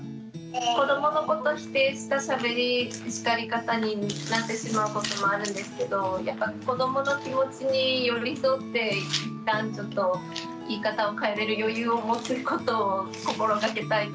子どものこと否定したしゃべり叱り方になってしまうこともあるんですけどやっぱり子どもの気持ちに寄り添って一旦ちょっと言い方を変えれる余裕を持つことを心がけたいと思います。